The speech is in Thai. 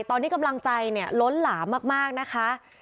ตอนนี้กำลังใจเนี่ยล้นหลามมากนะคะ